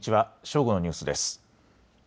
正午のニュースです。